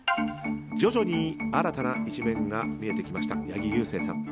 徐々に新たな一面が見えてきました八木勇征さん。